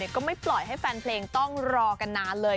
ก็ไม่ปล่อยให้แฟนเพลงต้องรอกันนานเลย